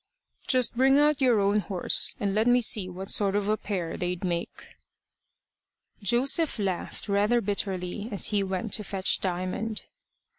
"Just bring out your own horse, and let me see what sort of a pair they'd make." Joseph laughed rather bitterly as he went to fetch Diamond.